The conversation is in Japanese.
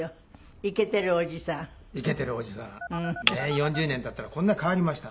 ４０年経ったらこんな変わりました。